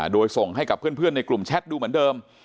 โดยส่งให้กับเพื่อนในกลุ่มแชทดูเหมือนเดิม